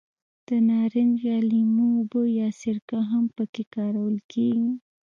د نارنج یا لیمو اوبه یا سرکه هم په کې کارول کېږي.